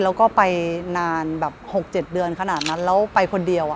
แล้วก็ไปนานแบบ๖๗เดือนขนาดนั้นแล้วไปคนเดียว